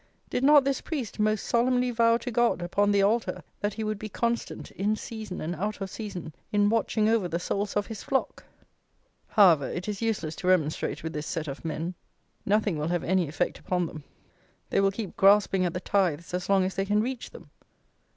Did not this priest most solemnly vow to God, upon the altar, that he would be constant, in season and out of season, in watching over the souls of his flock? However, it is useless to remonstrate with this set of men. Nothing will have any effect upon them. They will keep grasping at the tithes as long as they can reach them.